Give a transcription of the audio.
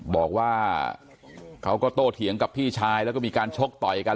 บอกว่าเขาก็โตเถียงกับพี่ชายแล้วก็มีการชกต่อยกัน